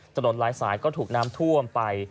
หลายสายก็ถูกน้ำท่วมไป